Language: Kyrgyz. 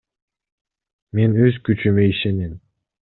Мен өз күчүмө ишенем.